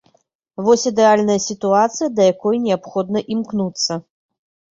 Вось ідэальная сітуацыя, да якой неабходна імкнуцца.